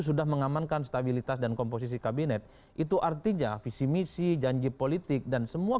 sudah mengamankan stabilitas dan komposisi kabinet itu artinya visi misi janji politik dan semua